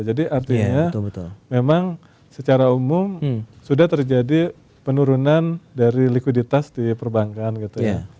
jadi artinya memang secara umum sudah terjadi penurunan dari likuiditas di perbankan gitu ya